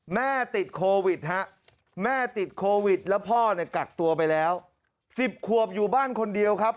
แม่ติดโควิดแล้วพ่อกักตัวไปแล้วสิบควบอยู่บ้านคนเดียวครับ